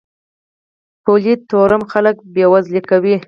پولي تورم خلک بې وزله کوي.